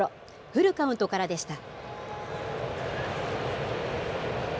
フルカウントからでした。